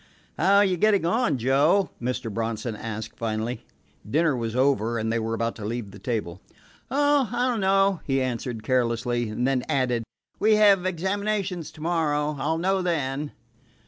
"How are you getting on, Joe?" Mr. Bronson asked finally. Dinner was over and they were about to leave the table. "Oh, I don't know," Joe answered carelessly, and then added: "We have examinations to morrow. I'll know then."